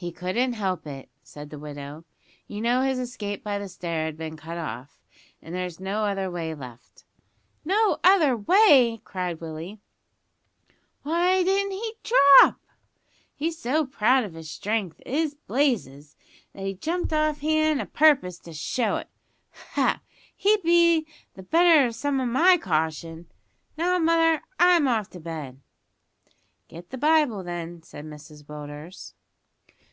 "He couldn't help it," said the widow. "You know his escape by the stair had been cut off, and there was no other way left." "No other way!" cried Willie; "why didn't he drop? He's so proud of his strength, is Blazes, that he jumped off hand a' purpose to show it! Ha! he'd be the better of some o' my caution. Now, mother, I'm off to bed." "Get the Bible, then," said Mrs Willders.